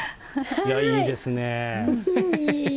いや、いいですね。